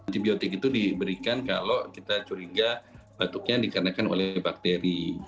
antibiotik itu diberikan kalau kita curiga batuknya dikarenakan oleh bakteri